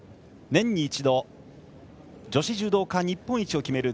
年に一度女子柔道家、日本一を決める